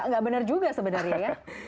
nggak benar juga sebenarnya ya